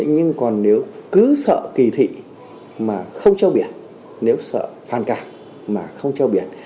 nhưng còn nếu cứ sợ kỳ thị mà không treo biển nếu sợ phàn cả mà không treo biển